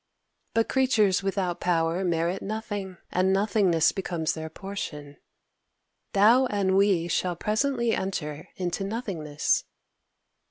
But creatures without power merit nothing; and nothingness becomes their portion. Thou and we shall presently enter into nothingness."